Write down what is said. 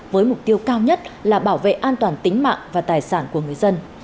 với mục tiêu cao nhất là bảo vệ an toàn tính mạng và tài sản của người dân